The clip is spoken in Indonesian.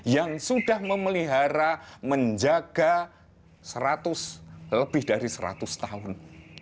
yang sudah memelihara menjaga seratus lebih dari seratus tahun